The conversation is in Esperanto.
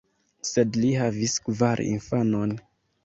Sed li havis kvar infanon.